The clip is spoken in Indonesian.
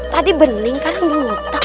tadi bening kanan buta